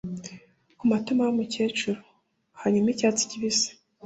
ku matama y'umukecuru. Hanyuma icyatsi kibisi